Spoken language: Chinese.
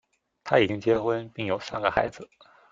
他已经结婚并有三个孩子。